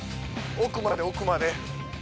奥まで奥まで。